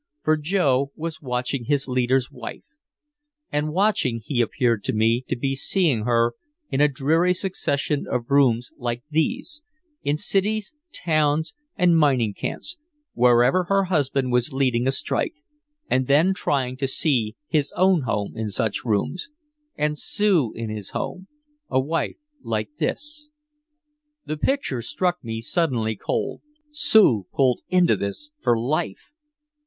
For Joe was watching his leader's wife. And watching, he appeared to me to be seeing her in a dreary succession of rooms like these, in cities, towns and mining camps, wherever her husband was leading a strike and then trying to see his own home in such rooms, and Sue in his home, a wife like this. The picture struck me suddenly cold. Sue pulled into this for life!